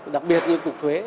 đặc biệt như cục thuế